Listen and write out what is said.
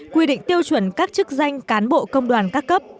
quy định tiêu chuẩn các chức danh cán bộ công đoàn các cấp